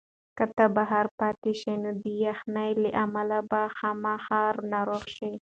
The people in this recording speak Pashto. که ته بهر پاتې شې نو د یخنۍ له امله به خامخا ناروغه شې.